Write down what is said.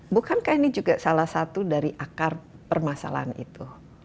bukankah ini juga salah satu dari akar permasalahan itu